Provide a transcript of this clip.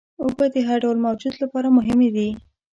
اوبه د هر ډول موجود لپاره مهمې دي.